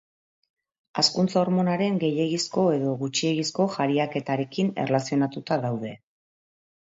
Hazkuntza hormonaren gehiegizko edo gutxiegizko jariaketarekin erlazionatuta daude.